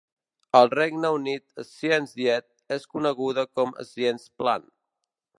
Al Regne Unit, Science Diet és coneguda com Science Plan.